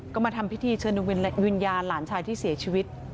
ก็มาทำพิธีเชิญวิญญาณหลานชายที่เสียชีวิต